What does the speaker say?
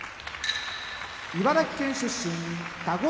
茨城県出身田子ノ浦